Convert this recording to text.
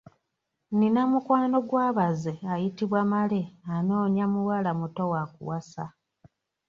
Nnina mukwano gwa baze ayitibwa Male anoonya muwala muto wa kuwasa.